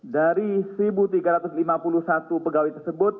dari satu tiga ratus lima puluh satu pegawai tersebut